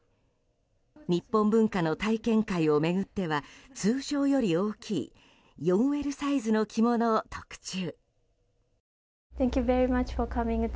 日本文化の体験会を巡っては通常より大きい４Ｌサイズの着物を特注。